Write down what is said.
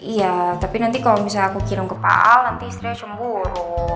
iya tapi nanti kalau misalnya aku kirim ke paal nanti istrinya cemburu